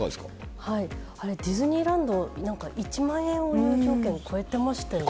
ディズニーランド、１万円を入場券、超えてましたよね。